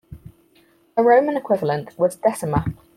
Her Roman equivalent was Decima.